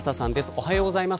おはようございます。